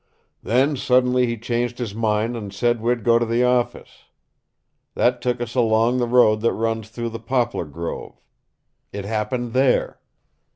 "Then suddenly he changed his mind and said we'd go to the office. That took us along the road that runs through the poplar grove. It happened there.